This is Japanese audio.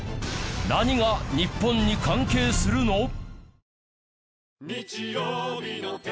何が日本に関係するの？